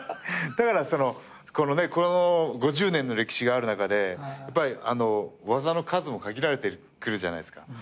だからこの５０年の歴史がある中でやっぱり技の数も限られてくるじゃないですか。